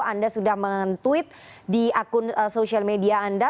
anda sudah men tweet di akun sosial media anda